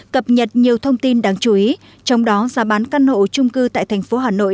cập nhật nhiều thông tin đáng chú ý trong đó giá bán căn hộ trung cư tại thành phố hà nội